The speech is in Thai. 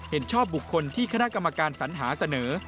เห็นชอบบุคคลที่คณะกรรมการสัญหาเสนอ